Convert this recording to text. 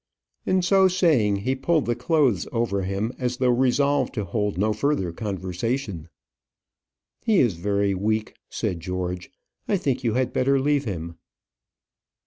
And so saying, he pulled the clothes over him as though resolved to hold no further conversation. "He is very weak," said George. "I think you had better leave him."